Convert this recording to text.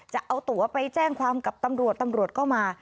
จะเอาตัวไปแจ้งความกับตำรวจตำรวจก็มา